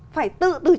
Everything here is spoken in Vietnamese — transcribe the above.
phải tự tự chức